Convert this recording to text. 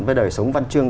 với đời sống văn trương